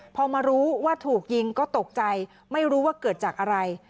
พอมารู้ว่าถูกยิงก็ตกใจไม่รู้ว่าเกิดจากอะไร